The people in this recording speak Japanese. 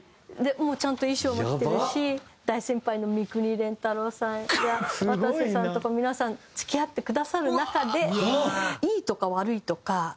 ちゃんと衣装も着てるし大先輩の三國連太郎さんや渡瀬さんとか皆さん付き合ってくださる中で。